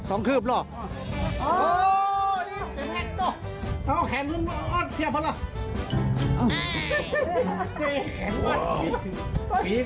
โอ้แขนหลุงมาอดเทียบเหรอ